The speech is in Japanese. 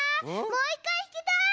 もういっかいひきたい！